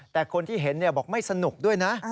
แต่คนที่เห็นบอกไม่สนุกด้วยนะ